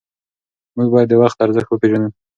موږ باید د وخت ارزښت وپېژنو.